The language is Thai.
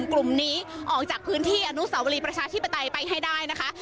กลุ่มนี้ออกจากพื้นที่อนุสาวรีประชาธิปไตยไปให้ได้นะคะ